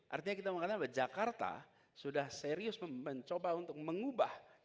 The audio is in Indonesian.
artinya kita mengatakan bahwa jakarta sudah serius mencoba untuk mengubah